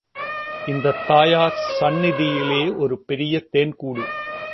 இந்தத் தாயார் சந்நிதியிலே ஒரு பெரிய தேன் கூடு.